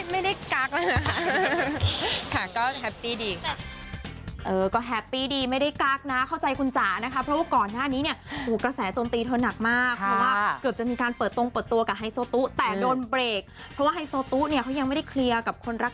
ไม่ใช่ลงปุ๊บแล้วแตกเลยนะพี่ดา